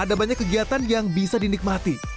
ada banyak kegiatan yang bisa dinikmati